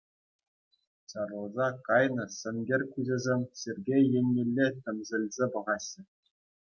Чарӑлса кайнӑ сенкер куҫӗсем Сергей еннелле тӗмсӗлсе пӑхаҫҫӗ.